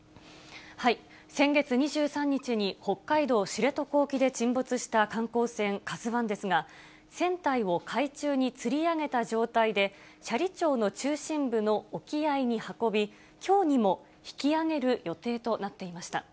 先月２３日に、北海道知床沖で沈没した観光船ＫＡＺＵＩですが、船体を海中につり上げた状態で斜里町の中心部の沖合に運び、きょうにも引き揚げる予定となっていました。